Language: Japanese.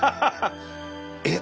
えっ